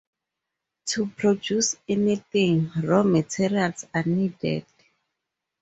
To produce anything, raw materials are needed.